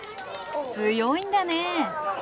強いんだね。